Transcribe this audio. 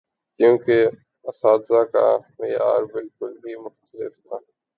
کیونکہ اساتذہ کا معیار بالکل ہی مختلف تھا۔